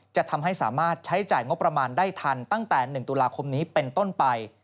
จะทำให้สามารถใช้จ่ายงบประมาณได้ทันตั้งแต่๑ตุลาคมนี้เป็นต้นไป